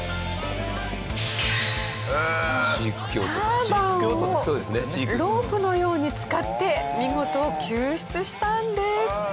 ターバンをロープのように使って見事救出したんです。